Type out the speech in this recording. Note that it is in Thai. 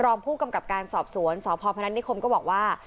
รองผู้กำกับการสอบสวนสพพนัทนิคมก็บอกว่า